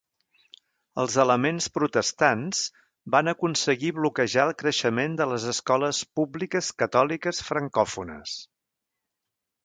Els elements protestants van aconseguir bloquejar el creixement de les escoles públiques catòliques francòfones.